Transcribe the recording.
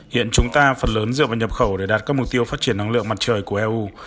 hiện chúng ta phần lớn dựa vào nhập khẩu để đạt các mục tiêu phát triển năng lượng mặt trời của eu